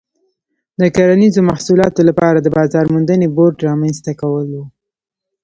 د کرنیزو محصولاتو لپاره د بازار موندنې بورډ رامنځته کول و.